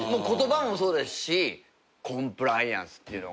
言葉もそうですしコンプライアンスって。